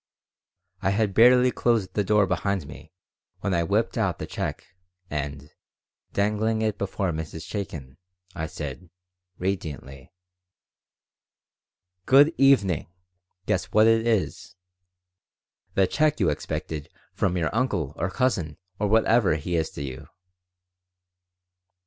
I had barely closed the door behind me when I whipped out the check, and, dangling it before Mrs. Chaikin, I said, radiantly: "Good evening. Guess what it is!" "The check you expected from your uncle or cousin or whatever he is to you.